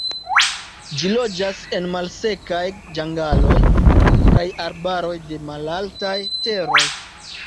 Ĝi loĝas en malsekaj ĝangaloj kaj arbaroj de malaltaj teroj.